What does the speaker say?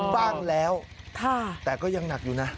บ้างแล้วแต่ก็ยังหนักอยู่นะ